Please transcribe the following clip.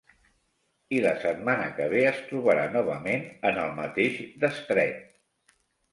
I la setmana que ve es trobarà novament en el mateix destret!